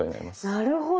なるほど。